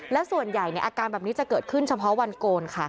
และส่วนใหญ่อาการแบบนี้จะเกิดขึ้นเฉพาะวันโกนค่ะ